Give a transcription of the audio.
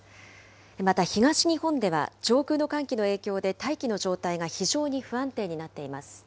また東日本では上空の寒気の影響で大気の状態が非常に不安定になっています。